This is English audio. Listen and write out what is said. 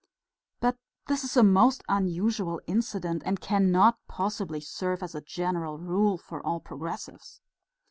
"But this is a most unusual incident and cannot possibly serve as a general rule for all progressives."